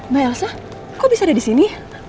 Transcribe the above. mbak elsa kok bisa ada disini